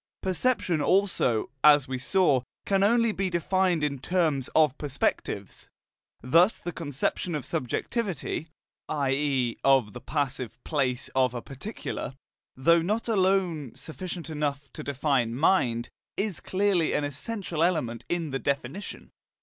Perception also, as we saw, can only be defined in terms of perspectives. Thus the conception of subjectivity, i.e. of the "passive" place of a particular, though not alone sufficient to define mind, is clearly an essential element in the definition.